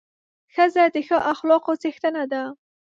ښځه د ښو اخلاقو څښتنه ده.